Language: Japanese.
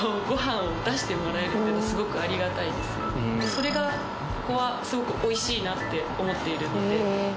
それがここはすごくおいしいなって思っているので。